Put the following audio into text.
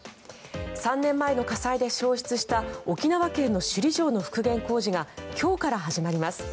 ３年前の火災で焼失した沖縄県の首里城の復元工事が今日から始まります。